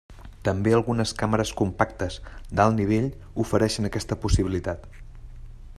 També algunes càmeres compactes d'alt nivell ofereixen aquesta possibilitat.